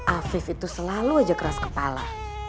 afif itu selalu aja keras kepala